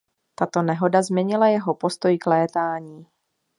Tato nehoda změnila jeho postoj k létání.